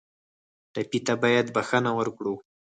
ټپي ته باید بښنه ورکړو.